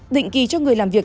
định kỳ cho người làm việc